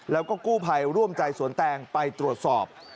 แล้วก็กู้ภัยร่วมใจสวนแตงไปตรวจสอบ